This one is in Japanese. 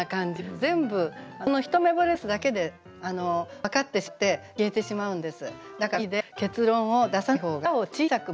全部この「ひとめぼれです」だけで分かってしまって消えてしまうんです。